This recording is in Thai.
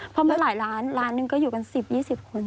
เพราะเมื่อหลายล้านล้านหนึ่งก็อยู่กัน๑๐๒๐คน